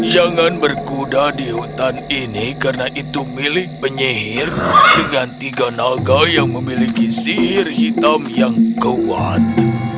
jangan berkuda di hutan ini karena itu milik penyihir dengan tiga naga yang memiliki sihir hitam yang kuat